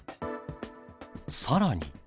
さらに。